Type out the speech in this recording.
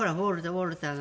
ウォルター。